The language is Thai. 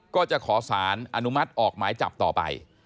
ก็จะขอสารอนุมัติออกหมายจับต่อไป